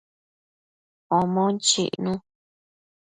Omon chicnu